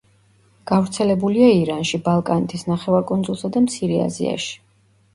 გავრცელებულია ირანში, ბალკანეთის ნახევარკუნძულსა და მცირე აზიაში.